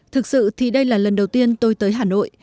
thực sự thì đây là lần đầu tiên tôi tới hà nội